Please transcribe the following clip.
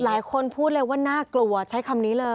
หลายคนพูดเลยว่าน่ากลัวใช้คำนี้เลย